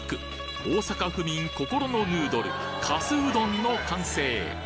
大阪府民心のヌードルかすうどんの完成！